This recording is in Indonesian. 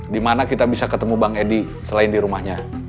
dimana kita bisa ketemu bang edi selain di rumahnya